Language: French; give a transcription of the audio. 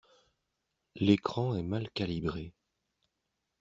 L'écran est mal calibré.